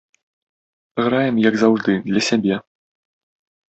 Граем, як заўжды, для сябе.